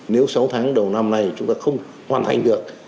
nếu sáu tháng đầu năm nay chúng ta không hoàn thành được